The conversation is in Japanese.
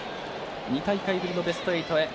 ２大会ぶりのベスト８へ。